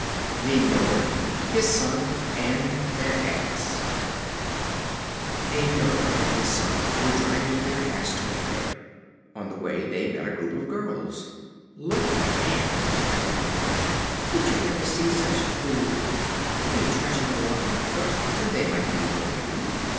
The Miller, his Son and their Ass. A miller and his Son were driving their Ass to a fair. On the way, they met a troop of girls. "Look there!" cried one of them, "did you ever see such fools, to be trudging along on foot when they might be riding?"